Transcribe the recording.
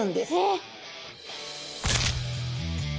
えっ！？